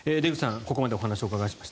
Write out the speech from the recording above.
ここまでお話をお伺いしました。